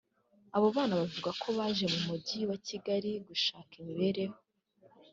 Abo bana bavuga ko baje mu mujyi wa Kigali gushaka imibereho